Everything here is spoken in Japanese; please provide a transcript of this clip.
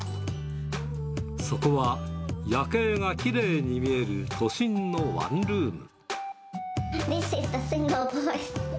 そこは、夜景がきれいに見える都心のワンルーム。